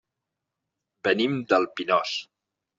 Venim del Pinós.